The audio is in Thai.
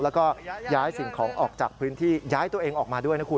แล้วก็ย้ายสิ่งของออกจากพื้นที่ย้ายตัวเองออกมาด้วยนะคุณ